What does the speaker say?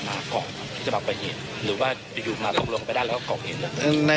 น่าจะ